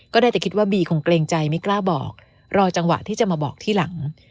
ได้แต่คิดว่าบีคงเกรงใจไม่กล้าบอกรอจังหวะที่จะมาบอกที่หลัง